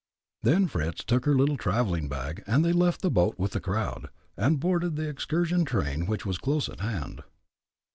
Then Fritz took her little traveling bag, and they left the boat with the crowd, and boarded the excursion train which was close at hand.